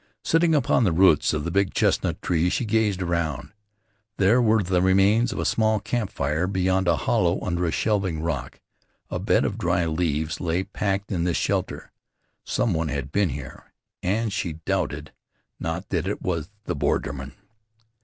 Sitting upon the roots of the big chestnut tree she gazed around. There were the remains of a small camp fire. Beyond, a hollow under a shelving rock. A bed of dry leaves lay packed in this shelter. Some one had been here, and she doubted not that it was the borderman.